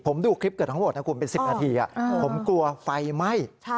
ผมดูคลิปเกือบทั้งหมดนะคุณเป็น๑๐นาทีผมกลัวไฟไหม้